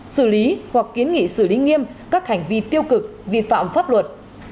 xử lý hoặc kiến nghị xử lý nghiêm các hành vi tiêu cực vi phạm pháp luật